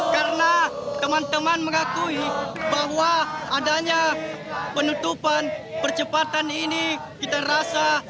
karena teman teman mengakui bahwa adanya penutupan percepatan ini kita rasa